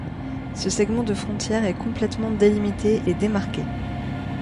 Ce segment de frontière est complètement délimité et démarqué.